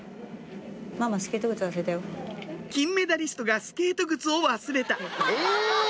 金メダリストがスケート靴を忘れたえぇ！